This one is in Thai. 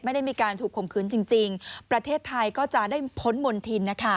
ไม่ได้มีการถูกข่มขืนจริงประเทศไทยก็จะได้พ้นมณฑินนะคะ